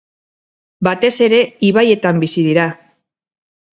Batez ere ibaietan bizi dira.